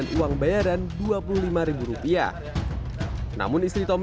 pembacaan dakwaan na